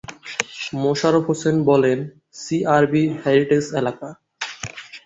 মোশাররফ হোসেন বলেন, CRB heritage এলাকা।